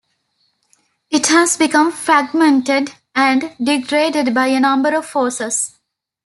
It has become fragmented and degraded by a number of forces.